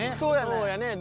そうやね。